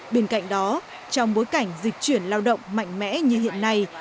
bên cạnh đó trong bối cảnh dịch chuyển lao động mạnh mẽ như hiện nay